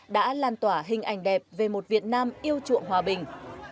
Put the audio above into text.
đã lan tỏa hình ảnh đẹp về một việt nam yêu chuộng hòa bình